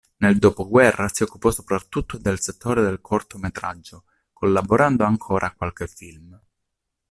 Nel dopoguerra si occupò soprattutto del settore del cortometraggio, collaborando ancora a qualche film.